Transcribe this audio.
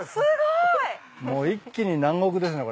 もう一気に南国ですね。